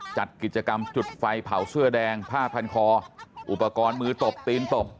จัดกิจกรรมจุดไฟเผาเสื้อแดงผ้าพันคออุปกรณ์มือตบตีนตบ